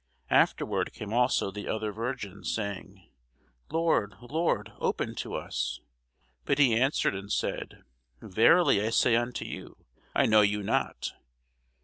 Afterward came also the other virgins, saying, Lord, Lord, open to us. But he answered and said, Verily I say unto you, I know you not.